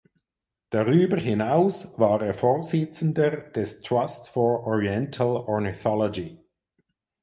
Darüber hinaus war er Vorsitzender des Trust for Oriental Ornithology.